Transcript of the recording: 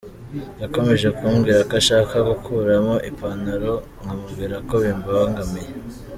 Yakomeje kumbwira ko ashaka gukuramo ipantalo nkamubwira ko bimbangamiye.